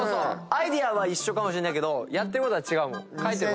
アイデア一緒かもしれないけどやってることは違うもん。